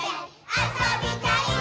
あそびたいっ！！」